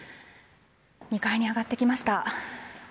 ２階に上がってきました。